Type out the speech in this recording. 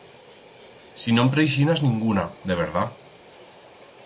Si no'n preixinas ninguna, de verdat.